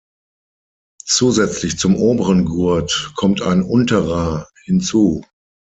Zusätzlich zum oberen Gurt kommt ein unterer hinzu.